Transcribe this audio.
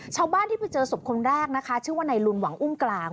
ชาวบ้านที่ไปเจอศพคนแรกนะคะชื่อว่านายลุนหวังอุ้มกลาง